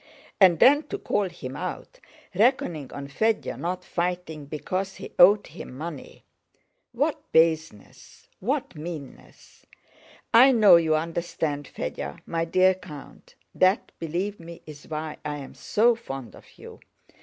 And then to call him out, reckoning on Fédya not fighting because he owed him money! What baseness! What meanness! I know you understand Fédya, my dear count; that, believe me, is why I am so fond of you.